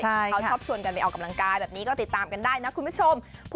เขาชอบชวนกันไปออกกำลังกายแบบนี้ก็ติดตามกันได้นะคุณผู้ชม